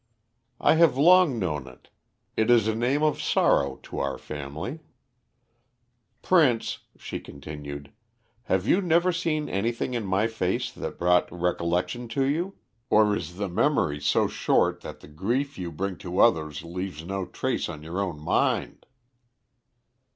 "I have long known it. It is a name of sorrow to our family. "Prince," she continued, "have you never seen anything in my face that brought recollection to you? Or is your memory so short that the grief you bring to others leaves no trace on your own mind?"